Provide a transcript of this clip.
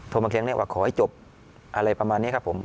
โทรมาเคลียร์เรื่องนี้ว่าขอให้จบอะไรประมาณนี้ครับผม